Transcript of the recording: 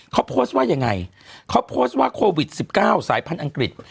เขาโพสต์ว่ายังไงเขาโพสต์ว่าโควิด๑๙สายพันธุ์อังกฤษ